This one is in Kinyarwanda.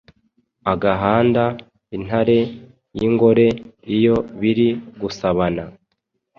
agahanda intare y’ingore iyo biri gusabana